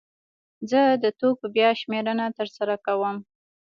زه د توکو بیا شمېرنه ترسره کوم.